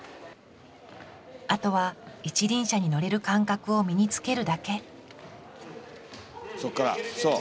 あとは一輪車に乗れる感覚を身につけるだけそっからそう！